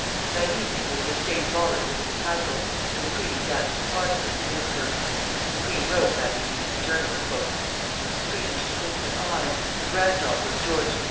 That evening there was a State ball at Windsor Castle, and the queen danced a quadrille with the emperor. The queen wrote that evening in her journal: "How strange to think that I the granddaughter of George III.